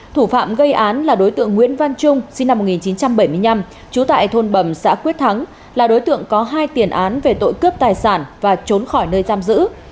thủ phạm gây án là đối tượng nguyễn văn trung sinh năm một nghìn chín trăm bảy mươi năm trú tại thôn bầm xã quyết thắng là đối tượng có hai tiền án về tội cướp tài sản và trốn khỏi nơi giam giữ